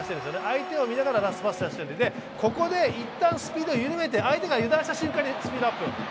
相手を見ながらラストパス出してるので、ここで一旦スピードを緩めて相手が油断した隙にスピードアップ。